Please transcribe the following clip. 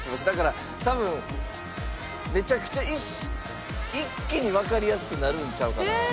だから多分めちゃくちゃ一気にわかりやすくなるんちゃうかな。